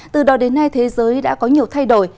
từ đó đến nay thế giới đã có nhiều thay đổi